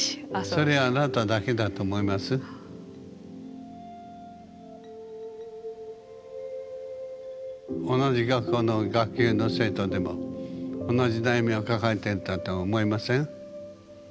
それ同じ学校の学級の生徒でも同じ悩みを抱えていたと思いません？